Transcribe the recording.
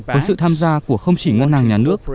với sự tham gia của không chỉ ngân hàng nhà nước